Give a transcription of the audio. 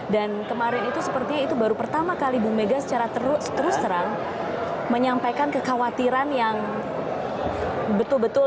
kemarin itu sepertinya itu baru pertama kali bu mega secara terus terang menyampaikan kekhawatiran yang betul betul